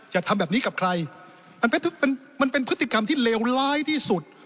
จะทำแบบนี้กับใครมันเป็นมันเป็นพฤติกรรมที่เลวร้ายที่สุด